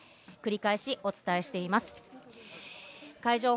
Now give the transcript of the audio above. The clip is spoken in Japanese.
繰り返しお伝えしています。